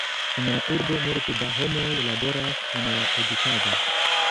En la urbo multe da homoj laboras en la edukado.